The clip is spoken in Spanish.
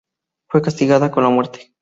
Fue castigada con la muerte.